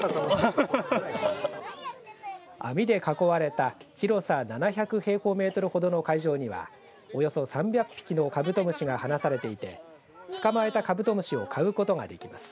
網で囲われた広さ７００平方メートルほどの会場には、およそ３００匹のカブトムシが放されていて捕まえたカブトムシを買うことができます。